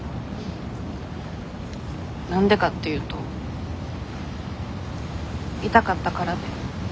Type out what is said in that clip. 何でかっていうと痛かったからで。